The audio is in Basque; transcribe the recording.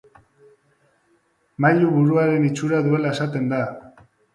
Mailu buruaren itxura duela esaten da.